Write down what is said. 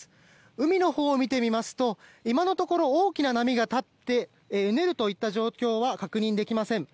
海のほうを見てみますと今のところ大きな波が立ってうねるといった状況は確認できません。